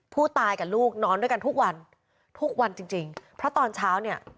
ผู้ตายกับลูกนอนด้วยกันทุกวันทุกวันจริงจริงเพราะตอนเช้าเนี่ย